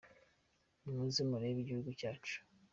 Ni muze murebe igihugu cyacu.